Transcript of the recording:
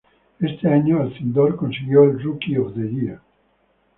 Ese año, Alcindor consiguió el "Rookie of the Year".